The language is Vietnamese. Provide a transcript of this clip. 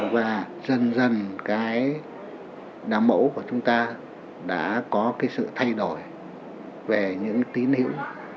và dần dần cái đám mẫu của chúng ta đã có cái sự thay đổi về những tín hiểu